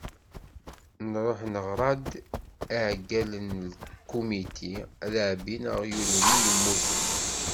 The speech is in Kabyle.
Nruḥ neɣra-d i iɛeggalen n lkumiti ad ɛebbin aɣyul-nni yemmuten.